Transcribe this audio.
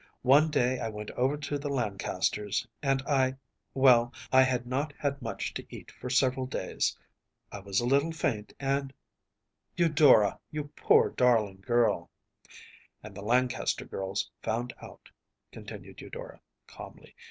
One day I went over to the Lancasters’, and I well, I had not had much to eat for several days. I was a little faint, and ‚ÄĚ “Eudora, you poor, darling girl!‚ÄĚ “And the Lancaster girls found out,‚ÄĚ continued Eudora, calmly.